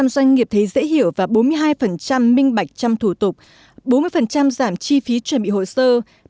năm mươi một doanh nghiệp giảm thời gian chuẩn bị hồ sơ